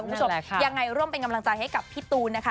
คุณผู้ชมยังไงร่วมเป็นกำลังใจให้กับพี่ตูนนะคะ